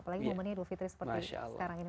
apalagi umurnya dhu fitri seperti sekarang ini